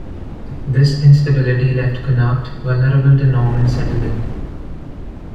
This instability left Connacht vulnerable to Norman settlement.